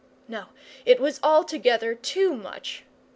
No, it was altogether too much.